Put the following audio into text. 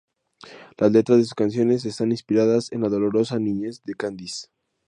Las letras de sus canciones están inspiradas en la "dolorosa niñez" de Candice.